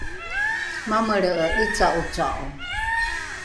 mamelre’e ’ica’oca’o